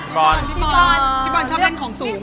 พี่บอลชอบเป็นของสูง